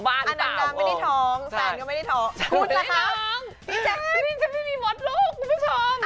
เปศรีนจ๊ะเปศรีนจ๊ะไม่มีหมดลูกคุณผู้ชม